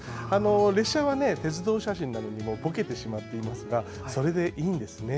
列車は鉄道写真なのにぼけてしまっていますがそれでいいんですね。